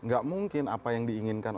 gak mungkin apa yang diinginkan